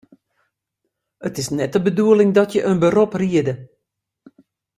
It is net de bedoeling dat je in berop riede.